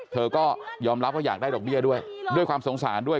เธอก็ยอมรับว่าอยากได้ดอกเบี้ยด้วย